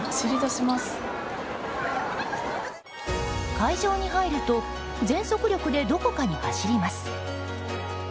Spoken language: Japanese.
会場に入ると全速力でどこかに走ります。